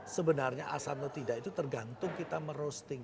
sebenarnya asan atau tidak itu tergantung kita merosting